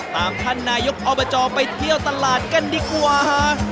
ท่านนายกอบจไปเที่ยวตลาดกันดีกว่า